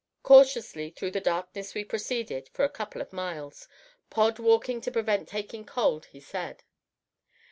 Cautiously through the darkness we proceeded for a couple of miles, Pod walking to prevent taking cold, he said.